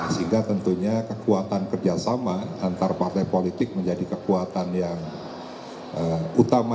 sehingga tentunya kekuatan kerjasama antar partai politik menjadi kekuatan yang utama